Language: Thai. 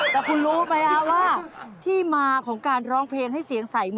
แต่คุณรู้ไหมว่าที่มาของการร้องเพลงให้เสียงใสมือ